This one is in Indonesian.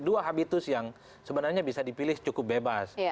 dua habitus yang sebenarnya bisa dipilih cukup bebas